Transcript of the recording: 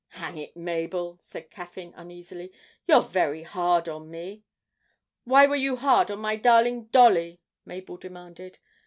'Hang it, Mabel,' said Caffyn uneasily, 'you're very hard on me!' 'Why were you hard on my darling Dolly?' Mabel demanded.